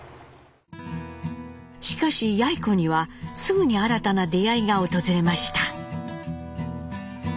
しかしやい子にはすぐに新たな出会いが訪れました。